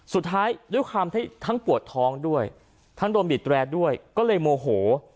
สุดท้ายด้วยความที่ทั้งปวดท้องด้วยทั้งโดนบีดแรร์ด้วยก็เลยโมโห